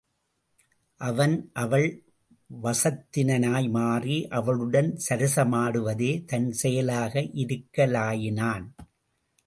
அவன், அவள் வசத்தினனாய் மாறி அவளுடன் சரசமாடுவதே தன் செயலாக இருக்கலாயினான்.